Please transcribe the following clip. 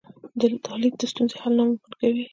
دا لید د ستونزې حل ناممکن کوي.